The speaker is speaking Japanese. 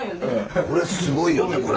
これすごいよねこれ。